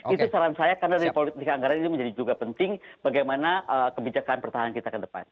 itu saran saya karena dari politik anggaran ini menjadi juga penting bagaimana kebijakan pertahanan kita ke depan